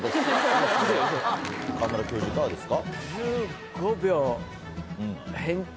川村教授いかがですか？